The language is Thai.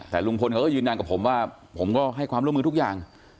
แต่ลุงพลเขาก็ยืนยันกับผมว่าผมก็ให้ความร่วมมือทุกอย่าง